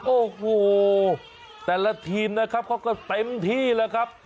โอ้โหแต่ละทีมนะครับเขาก็เต็มที่แล้วครับ